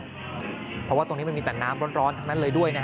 เพราะว่าตรงนี้มันมีแต่น้ำร้อนทั้งนั้นเลยด้วยนะฮะ